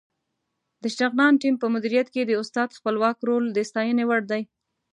د شغنان ټیم په مدیریت کې د استاد خپلواک رول د ستاینې وړ دی.